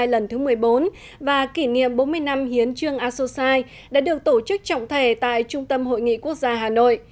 lần thứ một mươi bốn và kỷ niệm bốn mươi năm hiến trương asosi đã được tổ chức trọng thể tại trung tâm hội nghị quốc gia hà nội